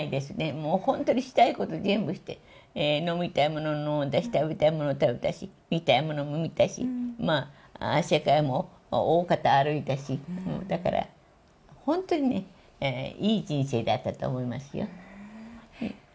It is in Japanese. もう本当にしたいこと全部して、飲みたいものも飲んだし、食べたいもの食べたし、見たいものも見たし、世界も大方歩いたし、だから本当に、いい人生だったと思いますよ。